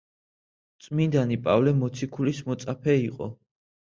წმინდანი პავლე მოციქულის მოწაფე იყო.